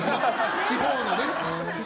地方のね。